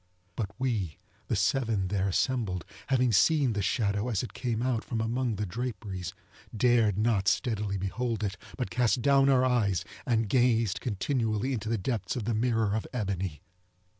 But we, the seven there assembled, having seen the shadow as it came out from among the draperies, dared not steadily behold it, but cast down our eyes, and gazed continually into the depths of the mirror of ebony.